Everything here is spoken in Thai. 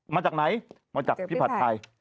มาจากไหนมาจากพี่ผัดไทย